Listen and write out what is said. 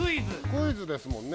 クイズですもんね？